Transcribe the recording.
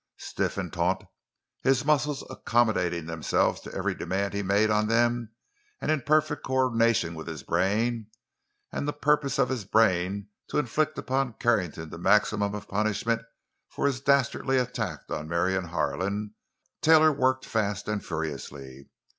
Stiff and taut, his muscles accommodating themselves to every demand he made on them, and in perfect coordination with his brain—and the purpose of his brain to inflict upon Carrington the maximum of punishment for his dastardly attack on Marion Harlan—Taylor worked fast and furiously.